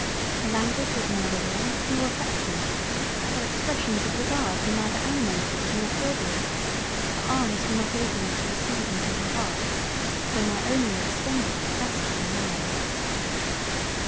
Her Language was neither warm, nor affectionate, her expressions of regard were neither animated nor cordial; her arms were not opened to receive me to her Heart, tho' my own were extended to press her to mine.